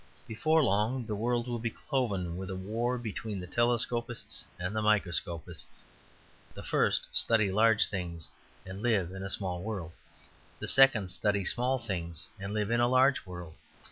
Before long the world will be cloven with a war between the telescopists and the microscopists. The first study large things and live in a small world; the second study small things and live in a large world.